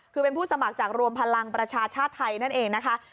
คือเป็นผู้สมัครจากรวมพลังประชาชาติไทยนั่นเองนะคะ